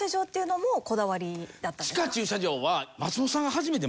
地下駐車場は。